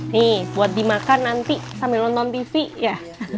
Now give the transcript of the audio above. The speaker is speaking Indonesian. nih buat dimakan nanti sambil nonton tv ya